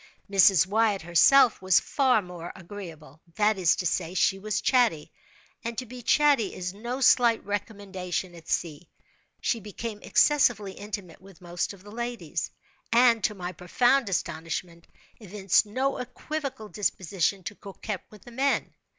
Mrs. Wyatt herself was far more agreeable. That is to say, she was chatty; and to be chatty is no slight recommendation at sea. She became excessively intimate with most of the ladies; and, to my profound astonishment, evinced no equivocal disposition to coquet with the men.